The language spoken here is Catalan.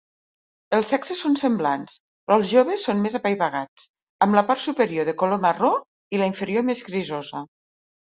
Els sexes són semblants, però els joves són més apaivagats, amb la part superior de color marró i la inferior més grisosa.